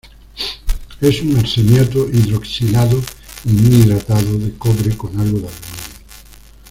Es un arseniato, hidroxilado y muy hidratado, de cobre con algo de aluminio.